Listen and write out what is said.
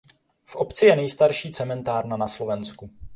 V obci je nejstarší cementárna na Slovensku.